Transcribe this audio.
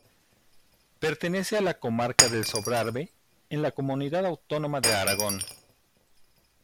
Pertenece a la comarca del Sobrarbe, en la comunidad autónoma de Aragón.